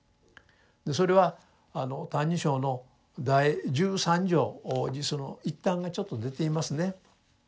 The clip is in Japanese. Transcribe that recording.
でそれは「歎異抄」の第十三条にその一端がちょっと出ていますね。